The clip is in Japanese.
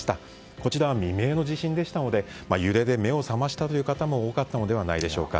こちらは未明の地震でしたので揺れで目を覚ました方も多かったのではないでしょうか。